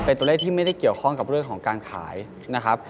เป็นตัวเลขที่ไม่ได้เกี่ยวข้องกับเรื่องของการขายนะครับ